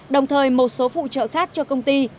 đồng thời một số phụ trợ khác cho công ty